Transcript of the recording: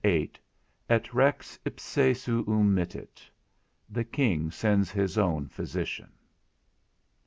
22. VIII. ET REX IPSE SUUM MITTIT. _The King sends his own physician.